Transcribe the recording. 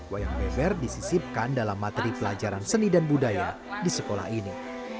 wayang beber disisipkan dalam materi pelajaran seni dan budaya di sekolah ini